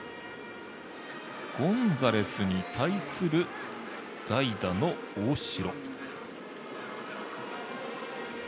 ゴンザレスに対する代打の大城。